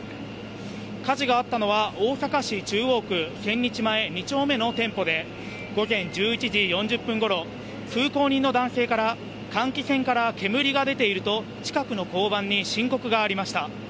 火事があったのは、大阪市中央区千日前２丁目の店舗で、午前１１時４０分ごろ、通行人の男性から換気扇から煙が出ていると、近くの交番に申告がありました。